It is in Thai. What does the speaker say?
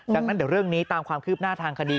ดังนั้นเดี๋ยวเรื่องนี้ตามความคืบหน้าทางคดี